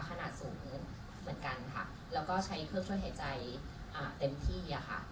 ขนาดสูงเหมือนกันค่ะแล้วก็ใช้เครื่องช่วยหายใจเต็มที่อะค่ะ